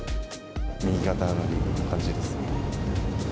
右肩上がりの感じですね。